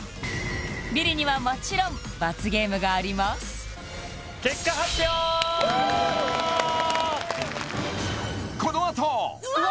ビリにはもちろん罰ゲームがあります結果発表うわ！